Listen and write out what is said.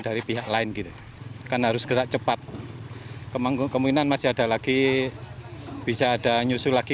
dari pihak lain gitu kan harus gerak cepat kemungkinan masih ada lagi bisa ada nyusul lagi